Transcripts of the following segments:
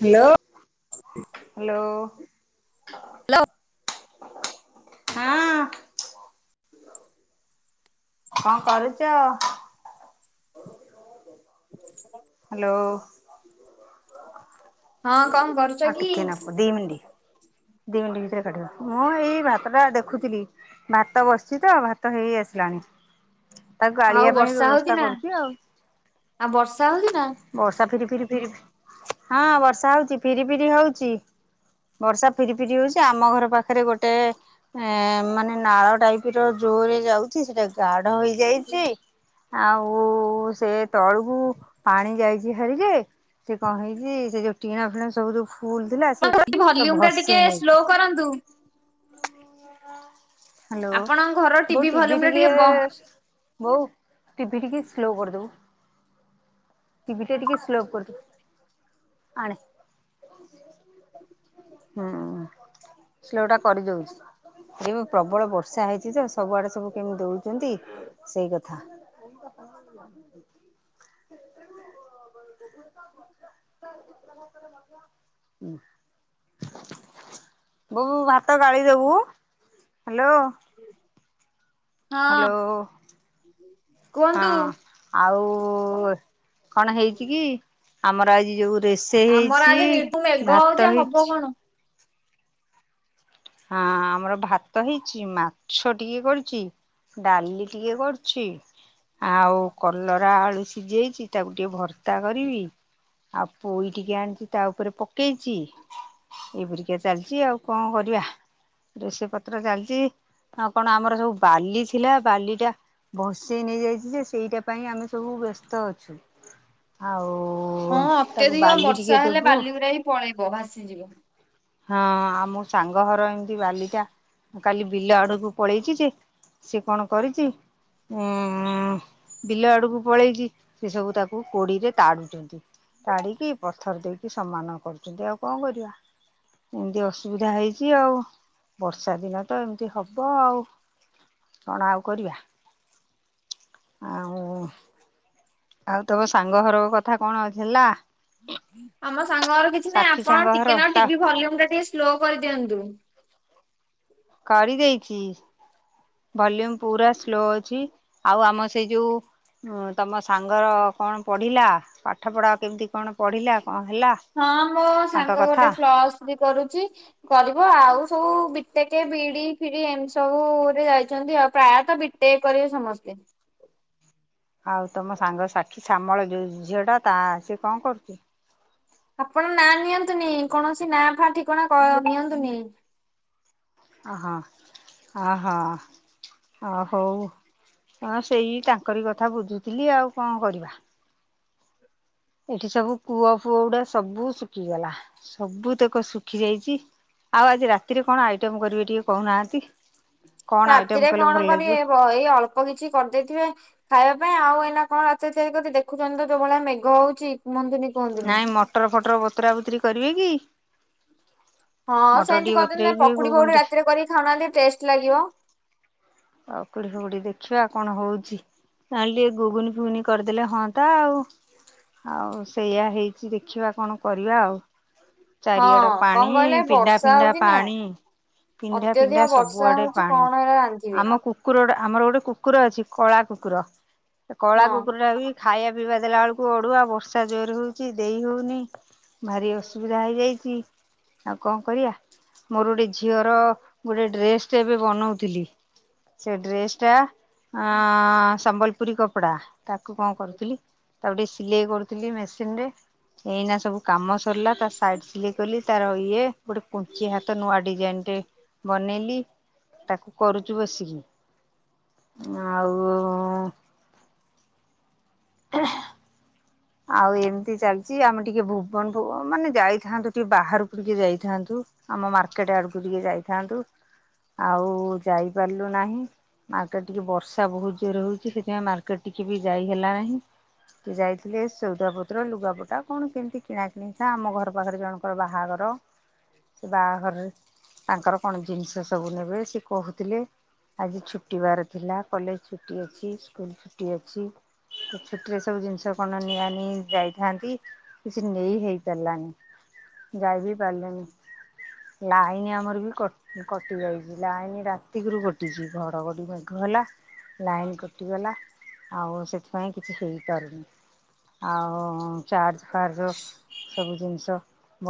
Hello -hello. Hello. ହଁ କଣ କରୁଚ? ହ୍ୟାଲୋ ହଁ କଣ କରୁଛ ଆଉ କି? ଟିକେନାକୁ ଦି ମିନିଟ ଦି ମିନିଟ ଭିତରେ କାଟିଦବୁ ମୁଁ ଏଇ ଭାତ ଟା ଦେଖୁଥିଲି। - ଭାତ ବସିଛି ତ ଭାତ ହେଇ ଆସିଲାଣି। ତାକୁ ଆଉ ଗାଳିିବା ପାଇଁ ବର୍ଷା ହଉଛି ବ୍ୟବସ୍ଥା ନା କରୁଛି ଆଉ। ଆଉ ବର୍ଷା ହଉଛି ନା? ବର୍ଷା ଫିରି ଫିରି ଫିରି ହଁ ବର୍ଷା ହଉଛି ଫିରି ଫିରି ହଉଛି ବର୍ଷା ଫିରି ଫିରି ହେଉଛି ଆମ ଘର ପାଖରେ ଗୋଟେ ଏ ମାନେ ନାଳ ଟାଇପି ର ଜୋରେ ଯାଉଛି ସେଟାକୁ ଗାଢ ହେଇଯାଇଛି ଆଉ ସେ ତଳକୁ ପାଣି ଯାଇଛି ହେରି କେ। ସେ କଣ ହେଇଛି ସେ ଯୋଉ ଟିଣା ଫିଣ ସବୁ ଯୋଉ ଫୁଲ ଥିଲା ସେ ଭଲ୍ୟୁମ ସବ ଟା ଭସ ଟିକେ ସ୍ଲୋ କରନ୍ତୁ। - ହ୍ୟାଲୋ ଆପଣଙ୍କ ଘର ବୋଉ ଟିଭି ଭଲ୍ୟୁମ ଟା ଟିକେ ବ ବୋଉ ଟିଭି ଟିକେ ସ୍ଲୋ କରିଦେବୁ ଟିଭିି ଟା ଟିକେ ସ୍ଲୋ କରିଦବୁ ଆଣେ ହୁଁ ସ୍ଲୋଲଟା କରିଦଉଛି। ଯିୟୁ ପ୍ରବଳ ବର୍ଷା ହେଇଛି ତ ସବୁଆଡେ ସବୁ କେମିତି ଦଉଚନ୍ତି ସେଇ କଥା। [inaudible] ହୁଁ। ବୋହୁ ଭାତ ଗାଳିଦବୁ ହାଲୋ। ହଁ ହାଲୋ ହଁ। କୁହନ୍ତୁ। ଆଉ ଏ କଣ ହେଇଛି କି ଆମର ଆଜି ଯୋଉ ବେଷେଇ ଆମର ହେଇଚି ଆଜି ନିଟୁ ମେଘ ହଉଛି ଭାତ ଆଉ ହବ ହେଇଛି। କଣ? ହଁ ଆମର ଭାତ ହେଇଛି ମାଛ ଟିକେ କରିଚି। ଡାଲି ଟିକେ କରିଛି। ଆଉ କଲରା ଆଳୁ ସିଜେଇଚି ତାକୁ ଟିକେ ଭର୍ତା କରିବି। ଆଉ ପୋଇ ଟିକେ ଆଣିଚି ତା ଉପରେ ପକେଇଚି। ଏପରିକା ଚାଲିଚି ଆଉ କଣ କରିବା। ରୋଷେଇ ପତ୍ର ଚାଲିଚି ଆଉ କଣ ଆମର ସବୁ ବାଲି ଥିଲା ବାଲି ଟା ଭସେଇ ନେଇଯାଇଛି ଯେ ସେଇଟା ପାଇଁ ଆମେ ସବୁ ବ୍ୟସ୍ତ ଅଛୁ। ହଁ ଆଉ ତାକୁ ଅତ୍ୟଧିକ ବାଲି ବର୍ଷା ଟିକେ ହେଲେ ଦେବୁ। ବାଲିଗୁରା ବି ପଳେଇବ ଭାସିଯିବ। ହଁ ଆମ ସାଙ୍ଗ ଘର ଏମିତି ବାଲିିଟା କାଲି ବିଲ ଆଡକୁ ପଳେଇଛି ଯେ ସେ କଣ କରିଚି। ଉଁ ବିଲ ଆଡକୁ ପଳେଇଚି ସେ ସବୁ ତାକୁ କୋଡିରେ ତାଡୁଛନ୍ତି। ତାଡିକି ପଥର ଦେଇକି ସମାନ କରୁଛନ୍ତି ଆଉ କଣ କରିବା! ଏମିତି ଅସୁବିଧା ହେଇଛି ଆଉ ବର୍ଷା ଦିନ ତ ଏମ୍‌ତି ହବ ଆଉ କଣ ଆଉ କରିବା ଆଉ ଆଉ ତମ ସାଙ୍ଗ ଘର କଥା କଣ ଯ ହେଲା। ଆମ ସାଙ୍ଗ ଘର କିଛି ନାଇଁ ସାକ୍ଷୀ ଆପଣ ସାଙ୍ଗ ଘର ଟିକେ ନା ତା ଟିଭି ଭଲ୍ୟୁମ୍ ଟା ଟିକେ ସ୍ଲୋ କରିଦିଅନ୍ତୁ। କରି ଦେଇଚି। ଭଲ୍ୟୁମ ପୁରା ସ୍ଲୋ ଅଛି ଆଉ ଆମ ସେଇ ଯୋଉ ହଁ ତମ ସାଙ୍ଗର କଣ ପଢିଲା ପାଠ ପଢା କେମ୍‌ତି କଣ ପଢିଲା କଣ ହେଲା। ହଁ ହ ତାଙ୍କ ସାଙ୍ଗ କଥା ଗୋଟେ ଫ୍ଲସ୍ ଥ୍ରୀ କରୁଚି। କରିବ ଆଉ ସବୁ ବିଟେକ ବିଡି ଫିଢି ଏମ୍‌ତି ସବୁରେ ଯାଇଚନ୍ତି ଆଉ ପ୍ରାୟତଃ ବିଟ୍ ଟେ କରିବେ ସମସ୍ତେ। ଆଉ ତମ ସାଙ୍ଗ ସାକ୍ଷୀ ଶ୍ୟାମଳ ଯୋଉ ଝିଅ ଟା ତା ସିଏ କଣ କର୍ ଚି। ଆପଣ ନା ନିଅନ୍ତୁନି କୌଣସି ନା ଫା ଠିକଣା କ ନିଅନ୍ତୁନି। ଅହ ଅ ହ। ଅ ହଉ ହ ସେଇ ତାଙ୍କରି କଥା ବୁଝୁଥିଲି ଆଉ କଣ କରିବା। ଏଠି ସବୁ କୂଅ ଫୁଅ ଗୁଡା ସବୁ ଶୁଖିଗଲା ସବୁ ତକ ଶୁଖି ଯାଇଚି। ଆଉ ଆଜି ରାତିରେ କଣ ଆଇଟମ୍‌ କରିବେ ଟିକେ କହୁନାହାନ୍ତି। କଣ ଆଇଟମ୍ ରାତିରେ କଲେ ଭଲ କଣ ଲାଗିବ? କରିବେ ବଇ ଏଇ ଅଳ୍ପ କିଛି କରିଦେଇଥିବେ। ଖାଇବା ପାଇଁ ଆଉ ଏଇନା କଣ ରାତି ତିଆରି କରି ଦେଖୁଛନ୍ତି ତ ଯୋଉ ଭଳିଆ ମେଘ ହଉଛି କୁହନ୍ତୁନି। କୁହନ୍ତୁନି। ନାଇଁ ମଟର ଫଟର ବତରା ବୁତୁରି କରିବେ କି? ହଁ ମଟର ସେମିତି ଟିକେ କରିଚନ୍ତି ନା ବତୁରେଇବି ପକୁଡି ପକୁଡି ଘୁଗୁନି ରାତିରେ କରିକି ଖାଉନାହାନ୍ତି ଟେଷ୍ଟ ଲାଗିବ। ପକୁଡି ଫକୁଡି ଦେଖିବା କଣ ହଉଛି। ତା ହେଲେ ଟିକେ ଗୁଗୁନି ଫୁଗୁନି କରିଦେଲେ ହଁ ତା ଆଉ ଆଉ ସେଇଆ ହେଇଛି ଦେଖିବା କଣ କରିବା ଆଉ ଚାରିଆଢ ହଁ କଣ ପାଣି କହିଲେ ପିଣ୍ଡା ବର୍ଷା ଫିଣ୍ଡା ହଉଛି ନା ପାଣି ଚା ପିନ୍ଧା ଅତ୍ୟଧିକ ପିଣ୍ଡା ବର୍ଷା ସବୁଆଡେ ହଉଛି ପାଣି କଣ ଏରା ରାନ୍ଧିବେ। ଆମ କୁକୁରଟେ ଆମର ଗୋଟେ କୁକୁର ଅଛି କଳା କୁକୁର ସେ କଳା ହଁ କୁକୁରଟା ବି ଖାଇବା ପିଇବା ଦେଲା ବେଳକୁ ଅଡୁଆ ବର୍ଷା ଜୋର ହଉଛି ଦେଇ ହଉନି। ଭାରି ଅସୁବିଧା ହେଇଯାଇଚି। ଆଉ କଣ କରିବା ମୋର ଗୋଟେ ଝିଅର ଗୋଟେ ଡ୍ରେସ୍ ଟେ ଏବେ ବନଉଥିଲି। ସେ ଡ୍ରେଷ ଟା ଆଁ ସମ୍ବଲପୁରୀ କପଡା ତାକୁ କଣ କରୁଥିଲି ତାକୁ ଟେ ସିଲେଇ କରୁଥିଲି ମେସିନ ରେ ଏଇନା ସବୁ କାମ ସରିଲା ତା ସାଇଡ ସିଲେଇ କଲି ତାର ଇଏ ଗୋଟେ କୁଞ୍ଚି ହାତ ନୂଆ ଡିଜାଇନ ରେ ବନେଇଲି ତାକୁ କରୁ ବସିକି ଆଉ ହ ଆଉ ଏମିତି ଚାଲିଛି ଆମେ ଟିକେ ଭୁବନ ଭୁବ ମାନେ ଯାଇଥାନ୍ତୁ ଟିକେ ବାହାରକୁ ଟିକେ ଯାଇଥାନ୍ତୁ। ଆମ ମାର୍କେଟ ଆଡକୁ ଟିକେ ଯାଇଥାନ୍ତୁ ଆଉ ଯାଇପାରିଲୁ ନାହିଁ ମାର୍କେଟ ଟିକେ ବର୍ଷା ବହୁତ ଜୋର ହଉଛି ସେଥିପାଇଁ ମାର୍କେଟ ଟିକେ ବି ଯାଇ ହେଲା ନାହିଁ ଟିକେ ଯାଇ ଡ୍ରେସ, ସଉଦାପତ୍ର, ଲୁଗାପଟା କଣ କେମିତି କିଣାକିଣିକା ଆମ ଘର ପାଖରେ ଜଣଙ୍କର ବାହାଘର। ସେ ବାହାଘରରେ ତାଙ୍କର କଣ ଜିନିଷ ସବୁ ନେବେ ସେ କହୁଥିଲେ। ଆଜି ଛୁଟିବାର ଥିଲା କଲେଜ ଛୁଟି ଅଛି ସ୍କୁଲ ଛୁଟି ଅଛି। ଛୁଟିରେ ସବୁ ଜିନିଷ କଣ ନିଆ ନେଇ ଯାଇଥାନ୍ତି କିଛି ନେଇ ହେଇ ପାରିଲାନି। ଯାଇ ବିି ପାରିଲେନି ଲାଇନ ଆମର ବି କ କଟି ଯାଇଛି ଲାଇନୀ ରାତିକରୁ କଟିଛି ଘର ଗୋଡିି ମେଘ ହେଲା। ଲାଇନ କଟିଗଲା ଆଉ ସେଥିପାଇଁ କିଛି ହେଇପାରୁନି। ଆଉ ଚାର୍ଜ ଫାର୍ଜ ସବୁ ଜିନିଷ।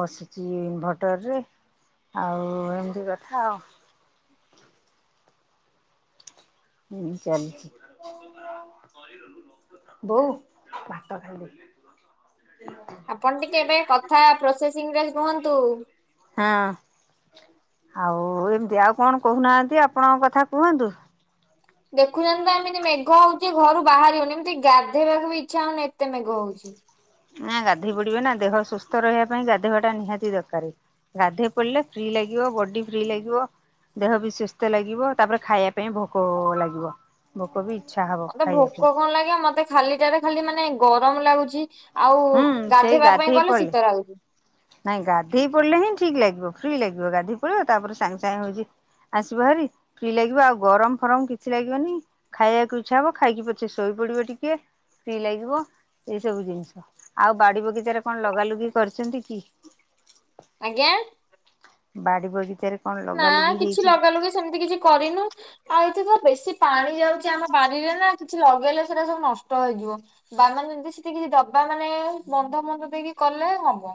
ବସିଛି ଇନଭଟରରେ ଆଉ ଏମିତି କଥା ଆଉ- ହ ମୁୁ ଚାଲିଛି ବୋଉ ଭାତ ଖାଇବି ଆପଣ ଟିକେ ଏବେ କଥା ପ୍ରୋସେସିଙ୍ଗ୍ ରେ କୁହନ୍ତୁ। ହଁ ଆଉ ଏମିତି ଆଉ କଣ କହୁନାହାନ୍ତି ଆପଣଙ୍କ କଥା କୁହନ୍ତୁ। ଦେଖୁଚନ୍ତି ତ ଏମିତି ମେଘ ହଉଚି ଘରୁ ବାହାରି ହଉନି ଏମିତି ଗାଧୋଇବାକୁ ବି ଇଚ୍ଛା ହଉନି ଏତେ ମେଘ ହଉଚି। ନା ଗାଧେଇ ପଡିବେ ନା ଦେହ ସୁସ୍ଥ ରହିବା ପାଇଁ ଗାଧେଇବା ଟା ନିହାତି ଦରକାରେ। ଗାଧେଇ ପଡିଲେ ଫ୍ରି ଲାଗିବ ବଡି ଫ୍ରି ଲାଗିବ। ଦେହ ବି ସୁସ୍ଥ ଲାଗିବ ତାପରେ ଖାଇବା ପାଇଁ ଭୋକ ଲାଗିବ। ଭୋକ ବି ଇଚ୍ଛା ହବ ଖାଇବା ପାଇଁ। ଭଲ ଲାଗେ ମତେ ଖାଲି ଟାରେ ଖାଲି ମାନେ ଗରମ୍ ଲାଗୁଚି ଆଉ ହୁଁ ସେଇ ଗାଧେଇବା ପାଇଁ ଗାଧେଇ ଗଲେ ପଡିଲେ ଶୀତ ଲାଗୁଚି। ନାଇଁ ଗାଧେଇ ପଡିଲେ ହିଁ ଠିକ୍ ଲାଗିବ ଫ୍ରି ଲାଗିବ ଗାଧେଇ ପଡିବ ତାପରେ ସାଙ୍ଗେ ସାଙ୍ଗେ ହଉଚି ଆସିବ ଭାରି ଫ୍ରି ଲାଗିବ ଆଉ ଗରମ୍ ଫରମ୍ କିଛି ଲାଗିବନି ଖାଇବାକୁ ଇଚ୍ଛା ହବ ଖାଇକି ପଛେ ଶୋଇ ପଡିବ ଟିକେ ଫ୍ରି ଲାଗିବ ଏଇ ସବୁ ଜିନିଷ ଆଉ ବାଡି ବଗିଚାରେ କଣ ଲଗା ଲୁଗି କରିଚନ୍ତି କି? ଆଜ୍ଞା। ବାଡ଼ି ବଗିଚାରେ କଣ ନା ଲଗାଲୁଗି କିଛି ହେଇଛି ଲଗା ଲୁଗି ସେମିତି କିଛି କରିନୁ। ଆଉ ଏଠିତ ବେଶୀ ପାଣି ଯାଉଚି ଆମ ବାଡିରେ ନା କିଛି ଲଗେଇଲେ ସେଟା ସବୁ ନଷ୍ଟ ହେଇଯିବ।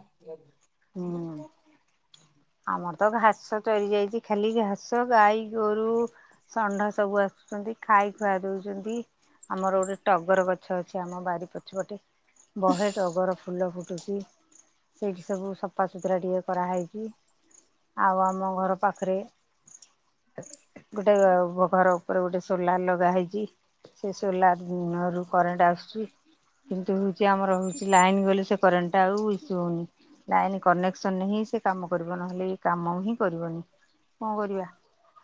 [unintelligible] ହୁଁ। ଆମର ତ ଘାସ ଚରି ଯାଇଚି ଖାଲି ଘାସ ଗାଈ ଗୋରୁ ଷଣ୍ଢ ସବୁ ଆସୁଚନ୍ତି ଖାଇ ଖୁଆ ଦଉଚନ୍ତି ଆମର ଗୋଟେ ଟଗର ଗଛ ଅଛି ଆମ ବାରି ପଛପଟେ। ବହେ ଟଗର ଫୁଲ ଫୁଟୁଚି ସେଇଠି ସବୁ ସଫାସୁତୁରା ଟିକେ କରାହେଇଚି ଆଉ ଆମ ଘର ପାଖେରେ ଗୋଟେ ବ-ଘରୁ ଉପରେ ଗୋଟେ ସୋଲାର୍ ଲଗା ହେଇଚି ସେ ସୋଲାର୍ ରୁ କରେଣ୍ଟ୍ ଆସୁଚି। କିନ୍ତୁ ହଉଚି ଆମର ହଉଚି ଲାଇନ୍ ଗଲେ ସେ କରେଣ୍ଟ୍ ଟା ଆଉ ଇସୁ ହଉନି। ଲାଇନ୍ କନେକ୍ସନରେ ହିଁ ସେ କାମ କରିବ ନହେଲେ ଏ କାମ ହିଁ କରିବନି କଣ କରିବା।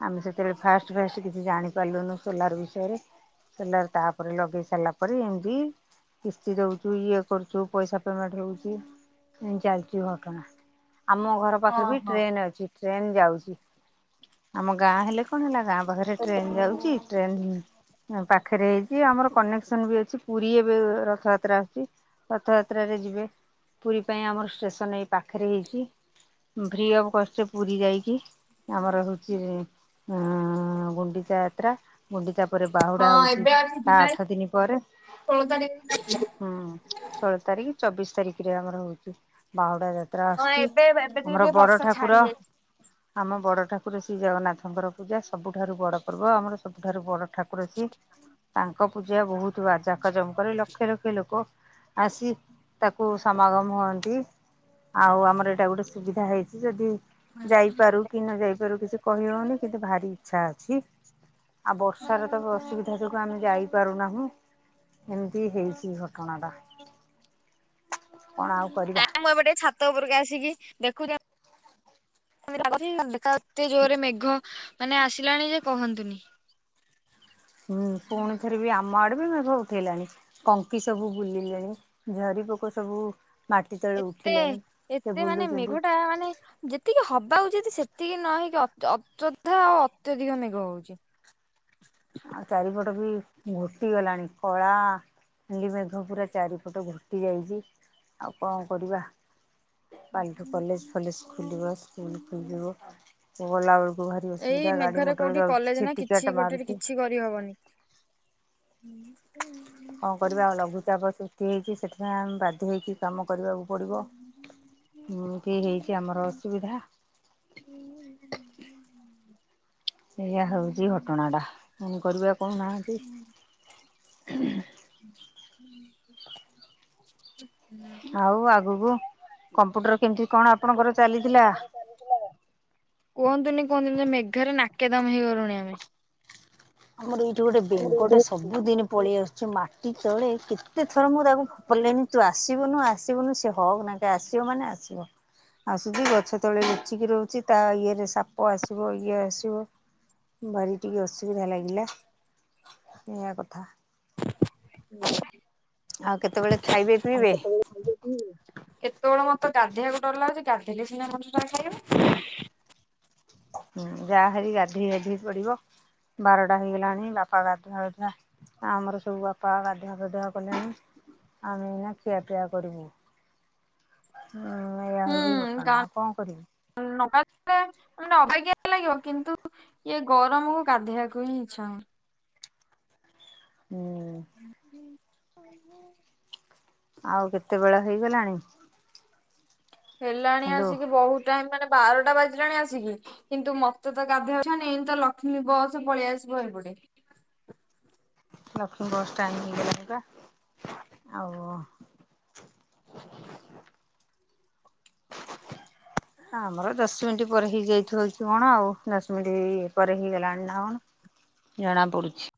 ଆମେ ସେତେବେଳେ ଫାଷ୍ଟେ ଫାଷ୍ଟେ କିଛି ଜାଣିପାରିଲୁନୁ ସୋଲାର୍ ବିଷୟରେ ସୋଲାର୍ ତାପରେ ଲଗେଇ ସାରିଲା ପରେ ଏମିତି କିସ୍ତି ଦଉଚୁ ଇଏ କରୁଚୁ ପଇସା ପେମେଣ୍ଟ୍ ରହୁଚି ଏମିତି ଚାଲିଚି ଦୁର୍ଘଟଣା ଆମ ଘର ପାଖରେ ବି ଓହୋ ଟ୍ରେନ୍ ଅଛି ଟ୍ରେନ୍ ଯାଉଚି। ଆମ ଗାଁ ହେଲେ କଣ ହେଲା ଗାଁ ପାଖେରେ ଟ୍ରେନ୍ ଯାଉଚି ଟ୍ରେନ୍ ପାଖେରେ ହେଇଚି ଆମର କନେକ୍ସନ୍ ବି ଅଛି ପୁରୀ ଏବେ ରଥଯାତ୍ରା ଆସୁଚି ରଥଯାତ୍ରାରେ ଯିବେ ପୁରୀ ପାଇଁ ଆମର ଷ୍ଟେସନ୍ ଏଇ ପାଖେରେ ହେଇଚି। ଫ୍ରି ଅଫ୍ କଷ୍ଟ୍ ରେ ପୁରୀ ଯାଇକି ଆମର ହଉଚି ଉଁ- ଗୁଣ୍ଡିଚା ଯାତ୍ରା ଗୁଣ୍ଡିଚା ପରେ ବାହୁଡା ହଁ ହଉଚି ଏବେ ଅଛି ତା ଜୁଲାଇ ଆଠ ଦିନି ପରେ ଷୋହଳ ତାରିଖ ହୁଁ ଷୋଳ ତାରିଖ୍ ଚବିଶ୍ ତାରିଖିରେ ଆମର ହଉଚି ବାହୁଡା ଯାତ୍ ତ୍ରା ହଁ ଆସୁଚି ଏବେ ଏବେ ଟିକେ ଆମର ଟିକେ ବଡ ବର୍ଷା ଛାଡି ଠାକୁର ଯାଇଛି। ଆମ ବଡ ଠାକୁର ଶ୍ରୀ ଜଗନ୍ନାଥଙ୍କର ପୂଜା ସବୁଠାରୁ ବଡପର୍ବ ଆମର ସବୁଠାରୁ ବଡ ଠାକୁ ର ସିଏ ତାଙ୍କ ପୂଜା ବହୁତୁ ଯାକ ଯମକରେ ଲକ୍ଷ ଲକ୍ଷ ଲୋକ ଆସି ତାକୁ ସମାଗମ ହୁଅନ୍ତି। ଆଉ ଆମର ଏଟା ଗୋଟେ ସୁବିଧା ହେଇଚି ଯଦି ଯାଇପାରୁ କି ନଯାଇପାରୁ କିଛି କହିହଉନି କିନ୍ତୁ ଭାରି ଇଛା ଅଛି। ଆଉ ବର୍ଷାରେତ ଅସୁବିଧା ଯୋଗୁଁ ଆମେ ଯାଇପାରୁନାହୁଁ ଏମିତି ହେଇଚି ଘଟଣାଟା କଣ ଆଉ କରିବା ନାଇଁ ମୁଁ ଏବେ ଟିକେ ଛାତ ଛାତ ଉପରକୁ ଆସିକି ଦେଖୁଚି। [inaudible] ଏତେ ଜୋରରେ ମେଘ ମାନେ ଆସିଲାଣିଯେ କହନ୍ତୁନି। ହୁଁ ପୁଣି ଥରେବି ଆମ ଆଡେବି ମେଘ ଉଠେଲାଣି କଙ୍କି ସବୁ ବୁଲିଲେଣି ଝରି ପୋକସବୁ ଏତେ ଏତେ ମାନେ ବୁଲୁଛନ୍ତି ମେଘଟା ମାନେ ଯେତିକି ହବା ଉଚିତ ସେତିକି ନହେଇକି ଅ ଅଯଧା ଆଉ ଅତ୍ୟଧିକ ମେଘ ହଉଚି ଆଉ ଚାରିପଟବି ଘୋଟିଗଲାଣି କଳା ଖାଲି ମେଘ ପୁରା ଚାରି ପଟ ଘୋଟି ଯାଇଚି ଆଉ କଣ କରିବା କାଲିଠୁ କଲେଜ ଫଲେଜ ଖୋଲିବ ସ୍କୁଲ ଖୋଲିବ ସେ ଗଲା ବୋଳକୁ ଭାରି ଏଇ ଅସୁବିଧା ଗାଡି ମେଘରେ ମଟର କୋଉଠି ଯାଉଛି କଲେଜ ନା କିଛି ଛିଟିକାଟା ଗୋଟେରେ ମାରୁଚି କିଛି କରିହବନି। [unintelligible] କଣ କରିବା ଲଘୁଚାପ ସୃଷ୍ଟି ହେଇଚି ସେଥିପାଇଁ ଆମେ ବାଧ୍ୟ ହେଇକି କାମ କରିବାକୁ ପଡିବ କି ହେଇକି ଆମର ଅସୁବିଧା [unintelligible] ଏଇଆ ହଉଚି ଘଟଣାଟା ପୁଣି କରିବା କହୁନାହାନ୍ତି? [unintelligible] ଆଉ ଆଗକୁ କମ୍ପୁଟର କେମିତି କଣ ଆପଣଙ୍କର ଚାଲିଥିଲା? କୁହନ୍ତୁନି କୁହନ୍ତୁିନି ମେଘରେ ନାକେ ଦମ ହେଇ ଗଲୁଣି ଆମେ ଆମର ଏଇଠି ଗୋଟେ ବେଙ୍ଗଟେ ସବୁଦିନ ପଳେଇ ଆସୁଛି ମାଟି ତଳେ କେତେ ଥର ମୁଁ ତାକୁ ପଲେମି ତୁ ଆସିବୁନା ଆସିବୁନୁ ସେ ହଉହଁ କି ନା ଆସିବ ମାନେ ଆସିବ ଆସୁଛି ଗଛ ତଳେ ଲୁଚିକି ରହୁଚି ତା ଇଏରେ ସାପ ଆସିବ ଇଏ ଆସିବ ଭାରି ଟିକେ ଅସୁବିଧା ଲାଗିଲା ଏୟା କଥା [unintelligible] ଆଉ କେତେବେଳେ ଖାଇବେ ପିଇବେ? ଖାଇଲ କି କେତେବେଳେ ମତେ ଗାଧେଇବାକୁ ଡରଲାଗୁଚି ଗାଧେଇଲେ ସିନା ମଣିଷ ଟା ଖାଇବ ହୁଁ ଯାହାରି ଗାଧେଇ ଗାଧେଇ ପଡିବ ବାରଟା ହେଇଗଲାଣି ବାପା ଗାଧୁପାଧୁଆ ଆମର ସବୁ ବାପା ଗାଧୁଆ ପାଧୁଆ କଲେଣି ଆମେ ଏଇନା ଖିଆପିଆ କରିବୁ ହଁ ଏଇୟା ହୁଁ ହଉଚି ଗା ଘଟଣା ଆଉ କଣ କରିବି ନ ଗାଧେଇଲେ ଅବାଗିଆ ଲାଗିବ କିନ୍ତୁ ଇଏ ଗରମକୁ ଗାଧୋଇବାକୁ ହିଁ ଇଛା ହଉନି। ହୁଁ। ଆମେ ଖାଇବୁ। ଆଉ କେତେ ବେଳେ ହେଇଗଲାଣି। ହେଲାଣି ହ୍ୟାଲୋ ଆସିକି ବହୁତ ଟାଇମ ମାନେ ବାରଟା ବାଜିଲାଣି ଆସିକି। କିନ୍ତୁ ମତେ ତ ଗାଧୋଇଛାନି ଏନ ତ ଲକ୍ଷ୍ମୀ ବସ ପଳେଇଆସିବ ଏପଟେ। ଲକ୍ଷ୍ମୀ ବସ୍ ଟାଇମିଂ ହେଇଗଲାଣି ପା ଆଉ ଆମର ଦଶ ମିନିଟ୍ ପରେ ହେଇ ଯାଇଥିବକି କଣ ଆଉ ଦଶ ମିନିଟ୍ ପରେ ହେଇଗଲାଣି ନା କଣ। ଜଣାପଡୁଛି।